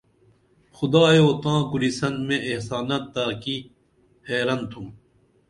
خدایو تاں کُرِسن مے احسانات تہ کی حیرن تُھم